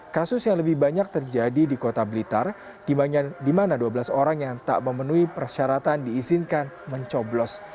kasus yang lebih banyak terjadi di kota blitar di mana dua belas orang yang tak memenuhi persyaratan diizinkan mencoblos